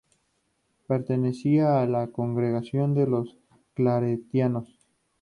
Pertenecía a la congregación de los claretianos.